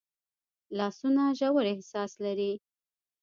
لاسونه ژور احساس لري